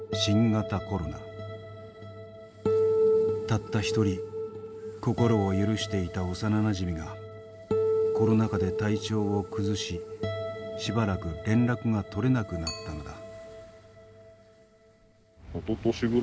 たった一人心を許していた幼なじみがコロナ禍で体調を崩ししばらく連絡がとれなくなったのだ。